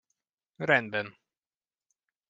Rendben!